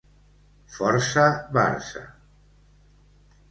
Força Barça.